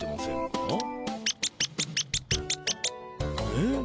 えっ？